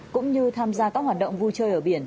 cũng như tham gia các hoạt động du lịch